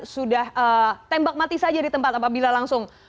sudah tembak mati saja di tempat apabila langsung